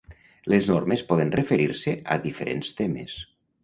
Les normes poden referir-se a diferents temes.